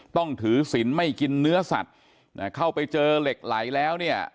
ต้องถือสินไม่กินเนื้อสัตว์เข้าไปเจอเหล็กไหลแล้วเนี่ย